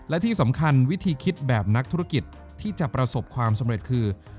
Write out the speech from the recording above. และที่สำคัญวิธีคิดแบบนักธุรกิจที่จะประสบความสำเร็จคือ